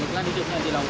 itu kan hidupnya di laut